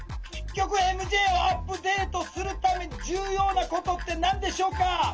結局ＭＪをアップデートするために重要なことって何でしょうか？